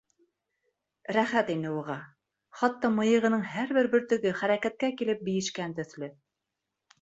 Рәхәт ине уға, хатта мыйығының һәр бер бөртөгө хәрәкәткә килеп бейешкән төҫлө.